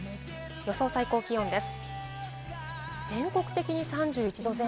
予想最高気温です。